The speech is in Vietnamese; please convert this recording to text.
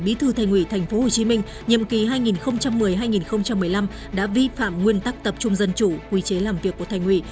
bí thư thành ủy tp hcm nhiệm kỳ hai nghìn một mươi hai nghìn một mươi năm đã vi phạm nguyên tắc tập trung dân chủ quy chế làm việc của thành ủy